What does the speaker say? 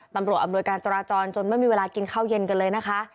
อำนวยการจราจรจนไม่มีเวลากินข้าวเย็นกันเลยนะคะ